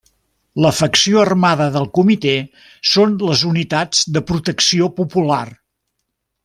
La facció armada del comitè són les Unitats de Protecció Popular.